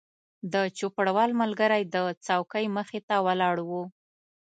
د چوپړوال ملګری د څوکۍ مخې ته ولاړ و.